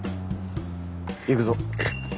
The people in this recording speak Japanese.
行くぞ。